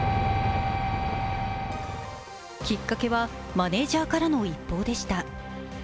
きっかけはマネージャーからの一報でした。